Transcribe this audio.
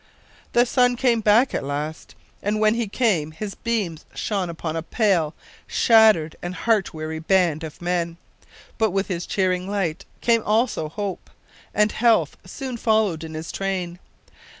The sun came back at last, and when he came his beams shone upon a pale, shattered, and heart weary band of men. But with his cheering light came also hope, and health soon followed in his train.